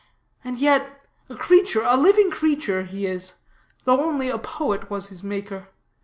And yet, a creature, a living creature, he is, though only a poet was his maker.